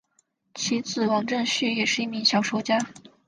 其子王震绪也是一名小说家。